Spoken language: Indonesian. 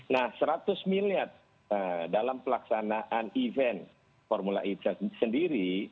nah seratus miliar dalam pelaksanaan event formula e sendiri